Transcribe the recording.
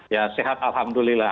ya sehat alhamdulillah